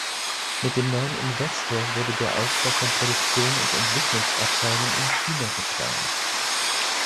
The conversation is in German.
Mit dem neuen Investor wurde der Aufbau von Produktion und Entwicklungsabteilung in China geplant.